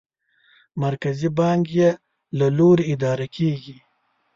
مرکزي بانک یې له لوري اداره کېږي.